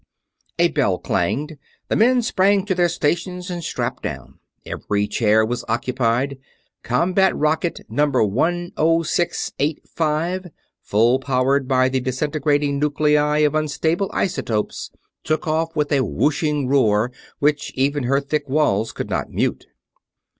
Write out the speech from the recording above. A bell clanged; the men sprang to their stations and strapped down. Every chair was occupied. Combat Rocket Number One Oh Six Eight Five, full powered by the disintegrating nuclei of unstable isotopes, took off with a whooshing roar which even her thick walls could not mute.